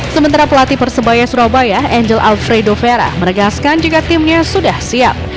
sementara pelatih persebaya surabaya angel alfredo vera meregaskan juga timnya sudah siap